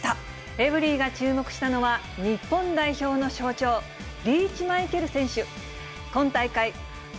エブリィが注目したのは、日本代表の象徴、リーチマイケル選手。